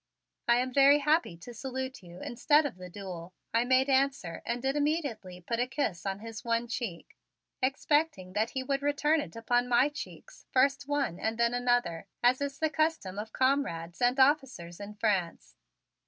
"I am very happy to so salute you instead of the duel," I made answer and did immediately put a kiss on his one cheek, expecting that he would return it upon my cheeks, first one and then another, as is the custom of comrades and officers in France.